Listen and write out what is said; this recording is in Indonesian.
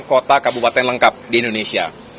kota kabupaten lengkap di indonesia